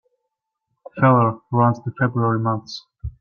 Feller runs the February months.